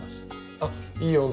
あっいい温度！